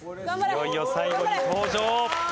いよいよ最後に登場。